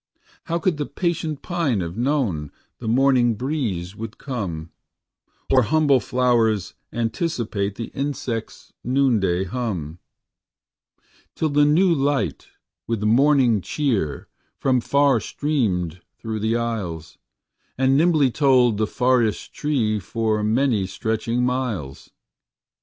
How could the patient pine have known The morning breeze would come, Or humble flowers anticipate The insectâs noonday hum,â Till the new light with morning cheer From far streamed through the aisles, And nimbly told the forest trees For many stretching miles?